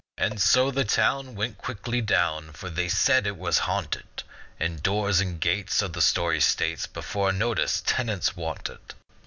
And so the town Went quickly down, For they said that it was haunted; And doors and gates, So the story states, Bore a notice, " Tenants wanted."